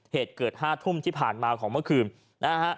เหตุเกิด๕ทุ่มที่ผ่านมาของเมื่อคืนนะฮะ